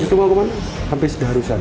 itu mau ke mana hampir sedah rusak